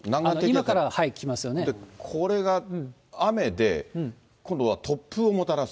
これが雨で、今度は突風をもたらす。